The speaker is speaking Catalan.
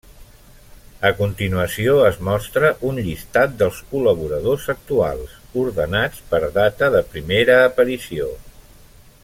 A continuació es mostra un llistat dels col·laboradors actuals, ordenats per data de primera aparició.